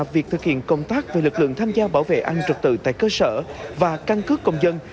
việc thực hiện công tác về lực lượng tham gia bảo vệ an trực tự tại cơ sở và căn cước công dân